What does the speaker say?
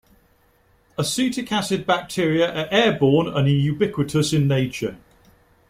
Acetic acid bacteria are airborne and are ubiquitous in nature.